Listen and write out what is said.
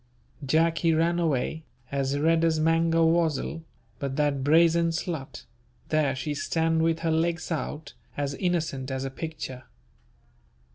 Jack he ran away, as red as mangawazzle, but that brazen slut, there she stand with her legs out, as innocent as a picture.